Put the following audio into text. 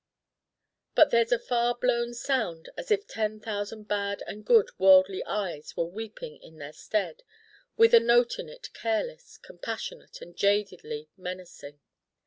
But there's a far blown sound as if ten thousand bad and good worldly eyes were weeping in their stead: with a note in it careless, compassionate and jadedly menacing.